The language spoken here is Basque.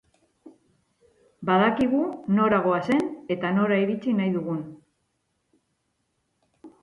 Badakigu nora goazen eta nora iritsi nahi dugun.